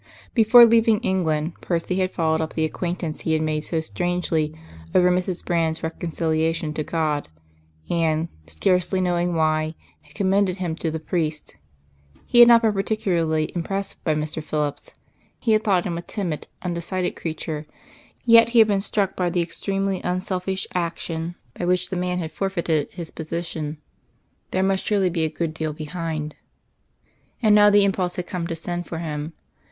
Before leaving England, Percy had followed up the acquaintance he had made so strangely over Mrs. Brand's reconciliation to God, and, scarcely knowing why, had commended him to the priest. He had not been particularly impressed by Mr. Phillips; he had thought him a timid, undecided creature, yet he had been struck by the extremely unselfish action by which the man had forfeited his position. There must surely be a good deal behind. And now the impulse had come to send for him.